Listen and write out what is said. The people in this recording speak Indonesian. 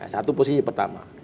satu posisi pertama